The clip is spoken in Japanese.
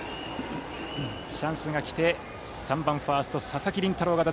チャンスがきて３番ファースト、佐々木麟太郎。